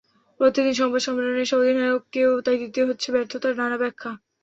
প্রতিদিন সংবাদ সম্মেলনে এসে অধিনায়ককেও তাই দিতে হচ্ছে ব্যর্থতার নানা ব্যাখ্যা।